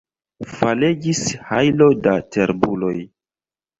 Falegis hajlo da terbuloj.